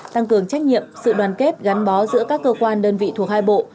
tăng cường trách nhiệm sự đoàn kết gắn bó giữa các cơ quan đơn vị thuộc hai bộ